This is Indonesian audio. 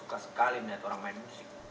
aku sudah suka sekali melihat orang main musik